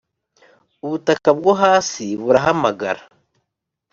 ubutaka bwo hasi burahamagara